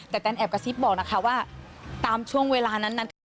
แต่แนนแอบกระซิบบอกนะคะว่าตามช่วงเวลานั้นคือ